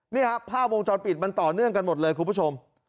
นี่ครับภาพวงจรปิดมันต่อเนื่องกันหมดเลยคุณผู้ชม